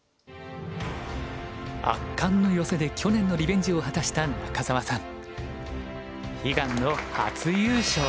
圧巻の寄せで去年のリベンジを果たした中澤さん。